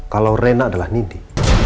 kalau rena adalah nindi